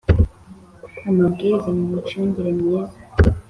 Amubwiriza mu micungire myiza.